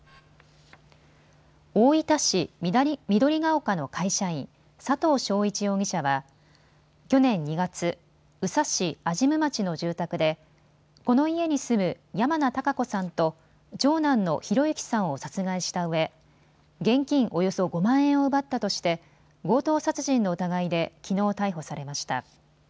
大分市緑が丘の会社員、佐藤翔一容疑者は去年２月、宇佐市安心院町の住宅でこの家に住む山名高子さんと長男の博之さんを殺害したうえ現金およそ５万円を奪ったとして強盗殺人の疑いできのう逮捕されました。